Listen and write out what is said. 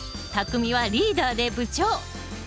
たくみはリーダーで部長。